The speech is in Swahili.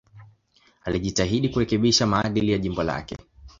Alijitahidi kurekebisha maadili ya jimbo lake.